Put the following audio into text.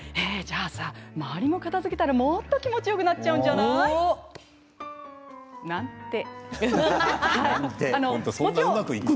周りも片づけたらもっと気持ちよくなっちゃうんじゃない？なんて。